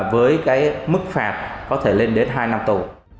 với cái mức phạt có thể lên đến hai năm tù